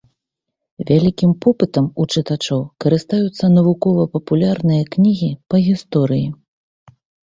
Вялікім попытам у чытачоў карыстаюцца навукова-папулярныя кнігі па гісторыі.